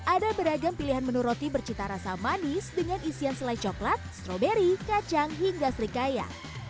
ada beragam pilihan menu roti bercita rasa manis dengan isian selai coklat stroberi kacang hingga serikaya